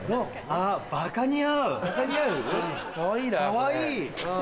かわいい！